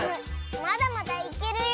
まだまだいけるよ。